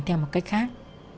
theo một cách khác